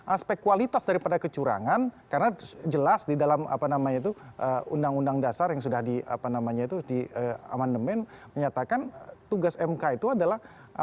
aspek kualitas daripada kecurangan karena jelas di dalam apa namanya itu undang undang dasar yang sudah di apa namanya itu di amandemen menyatakan tugas mk itu adalah